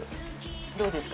どうですか？